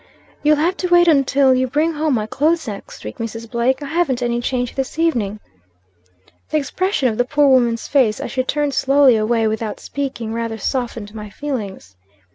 "'You'll have to wait until you bring home my clothes next week, Mrs. Blake.' I havn't any change this evening.' "The expression of the poor woman's face, as she turned slowly away, without speaking, rather softened my feelings.